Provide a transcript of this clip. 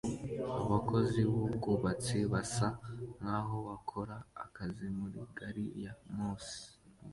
Abakozi b'ubwubatsi basa nkaho bakora akazi muri gari ya moshi